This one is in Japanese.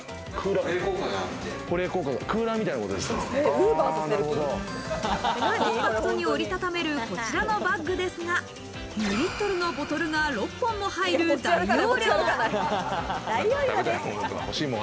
コンパクトに折りたためる、こちらのバッグですが、２リットルのボトルが６本も入る大容量。